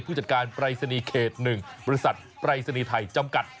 ผู้จัดการปรายศนีย์เขต๑บริษัทปรายศนีย์ไทยจำกัด